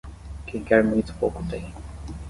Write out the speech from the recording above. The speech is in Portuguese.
Quem quer muito pouco tem.